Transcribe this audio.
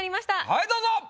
はいどうぞ！